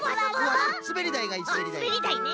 あっすべりだいね。